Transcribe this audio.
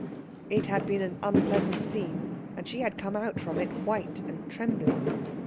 It had been an unpleasant scene, and she had come out from it white and trembling.